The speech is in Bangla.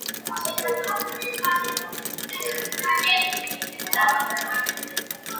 ভারতে ফেরার পর তিনি মুঘল সাম্রাজ্যে যোগদান করেন।